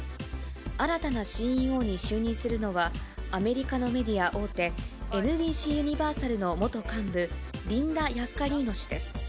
新たなＣＥＯに就任するのは、アメリカのメディア大手、ＮＢＣユニバーサルの元幹部、リンダ・ヤッカリーノ氏です。